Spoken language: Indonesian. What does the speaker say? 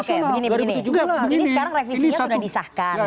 ini sekarang revisinya sudah disahkan